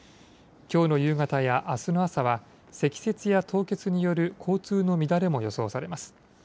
きょうの夕方やあすの朝は積雪や凍結による交通の乱れも予想されます。